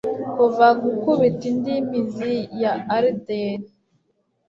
Kuva gukubita indi mizi ya alder